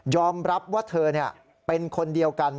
รับว่าเธอเป็นคนเดียวกัน